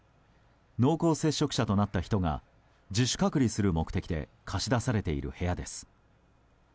濃厚接触者となった人が自主隔離する目的で貸し出されている部屋です。